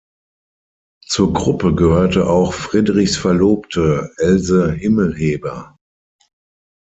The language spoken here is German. Zur Gruppe gehörte auch Friedrichs Verlobte Else Himmelheber.